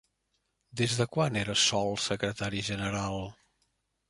Des de quan era Sol secretari general?